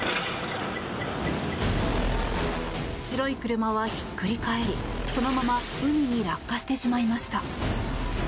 白い車はひっくり返り、そのまま海に落下してしまいました。